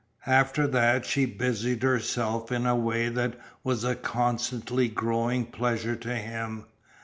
After that she busied herself in a way that was a constantly growing pleasure to him.